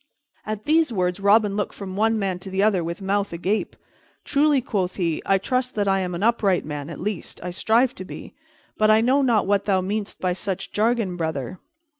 At these words Robin looked from one man to the other with mouth agape. "Truly," quoth he, "I trust I am an upright man, at least, I strive to be; but I know not what thou meanest by such jargon, brother.